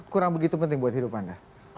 kurang begitu penting buat hidup anda